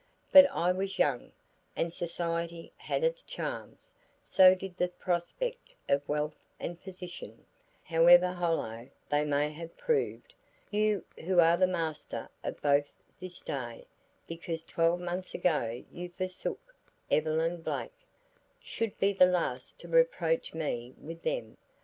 But I was young, and society had its charms, so did the prospect of wealth and position, however hollow they may have proved; you who are the master of both this day, because twelve months ago you forsook Evelyn Blake, should be the last to reproach me with them.